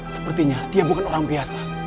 sepertinya dia bukan orang biasa